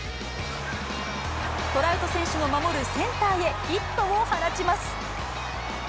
トラウト選手の守るセンターへヒットを放ちます。